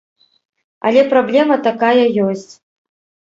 Але праблема такая ёсць.